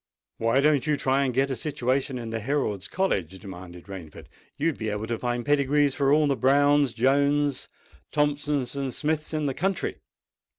"Why don't you try and get a situation in the Herald's College?" demanded Rainford. "You would be able to find pedigrees for all the Browns, Jones's, Thompsons, and Smiths in the country."